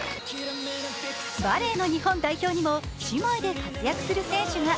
バレーに日本代表にも姉妹で活躍する選手が。